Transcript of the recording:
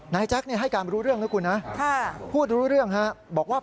แจ๊คให้การรู้เรื่องนะคุณนะพูดรู้เรื่องฮะบอกว่า